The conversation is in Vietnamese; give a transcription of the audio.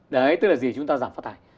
đấy tức là gì chúng ta giảm phát thải